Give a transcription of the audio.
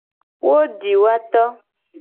Wo di woa to.